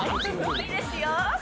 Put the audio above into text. いいですよ。